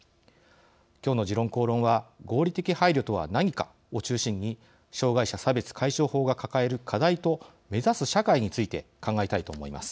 今日の「時論公論」は合理的配慮とは何かを中心に障害者差別解消法が抱える課題と目指す社会について考えたいと思います。